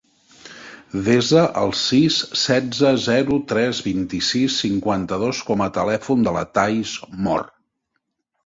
Desa el sis, setze, zero, tres, vint-i-sis, cinquanta-dos com a telèfon de la Thaís Mor.